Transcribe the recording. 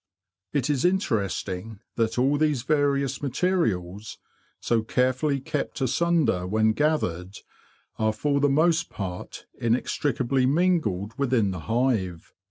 It is interesting that all these various materials, so carefully kept asunder when gathered, are for the most part inextricably mingled within the hive.